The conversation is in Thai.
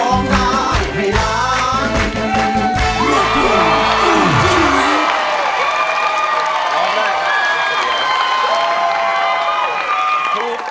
คุณเฉลียว